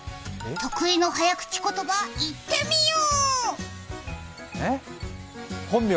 得意の早口言葉、いってみよう！